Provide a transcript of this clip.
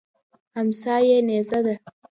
امسا یې نیزه ده.